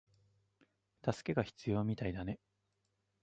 助けが必要みたいだね